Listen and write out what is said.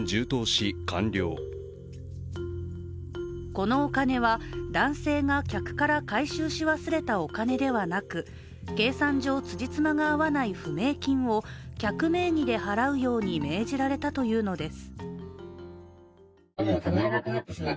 このお金は男性が客から回収し忘れたお金ではなく、計算上、つじつまが合わない不明金を客名義で払うように命じられたというのです。